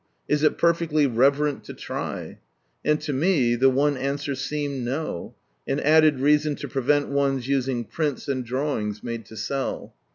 Is it perfectly reverent to try ? And 10 me, the one answer seemed No : an added reason to prevent one's using prints and drawings made to sell.